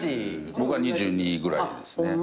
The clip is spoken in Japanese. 僕は２２ぐらいですね。